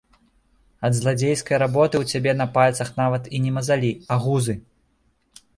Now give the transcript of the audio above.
Ад зладзейскай работы ў цябе на пальцах нават і не мазалі, а гузы!